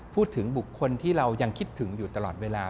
บุคคลที่เรายังคิดถึงอยู่ตลอดเวลา